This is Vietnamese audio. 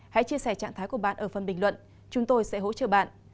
hãy chia sẻ trạng thái của bạn ở phần bình luận chúng tôi sẽ hỗ trợ bạn